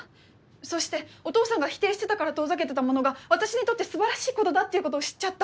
そうしてお父さんが否定してたから遠ざけてたものが私にとって素晴らしいことだっていうことを知っちゃった。